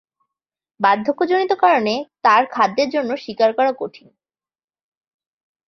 বার্ধক্যজনিত কারণে, তার খাদ্যের জন্য শিকার করা কঠিন।